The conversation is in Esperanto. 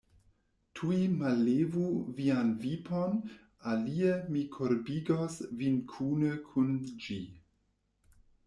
Tuj mallevu vian vipon, alie mi kurbigos vin kune kun ĝi!